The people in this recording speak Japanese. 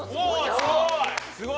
おすごい！